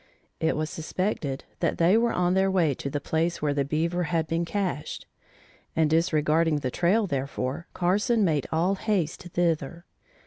It was suspected that they were on their way to the place where the beaver had been cached; and disregarding the trail, therefore Carson made all haste thither.